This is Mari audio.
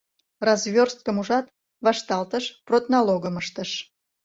Развёрсткым, ужат, вашталтыш, продналогым ыштыш.